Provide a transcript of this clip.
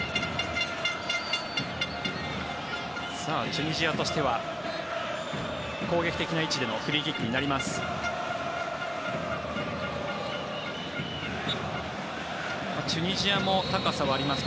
チュニジアとしては攻撃的な位置でのフリーキックになります。